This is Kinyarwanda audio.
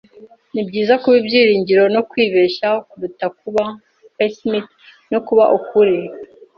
Nibyiza kuba ibyiringiro no kwibeshya kuruta kuba pessimist no kuba ukuri. (erikspen)